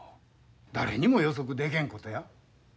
誰にも予測でけんことや。